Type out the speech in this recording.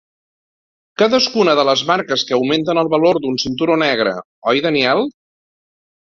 Cadascuna de les marques que augmenten el valor d'un cinturó negre, oi Daniel?